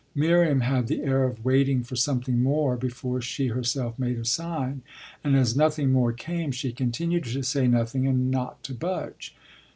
Miriam had the air of waiting for something more before she herself made a sign; and as nothing more came she continued to say nothing and not to budge.